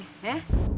tinggal di rumah gue